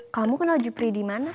kamu kenal jupri dimana